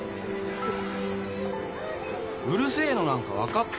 うるせえのなんか分かってんだよ。